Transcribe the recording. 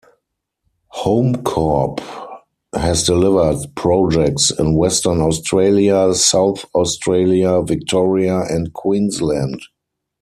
HomeCorp has delivered projects in Western Australia, South Australia, Victoria and Queensland.